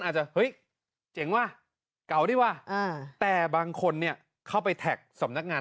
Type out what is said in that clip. อาจจะเฮ้ยเจ๋งว่ะเก่าดีว่ะแต่บางคนเนี่ยเข้าไปแท็กสำนักงาน